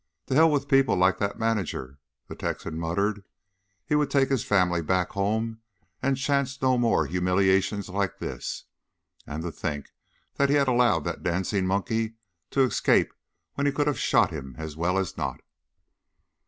"To hell with people like that manager!" the Texan muttered. He would take his family back home and chance no more humiliations like this. And to think that he had allowed that dancing monkey to escape when he could have shot him as well as not!